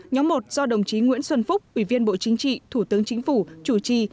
nhóm một do đồng chí nguyễn xuân phúc ủy viên bộ chính trị thủ tướng chính phủ chủ trì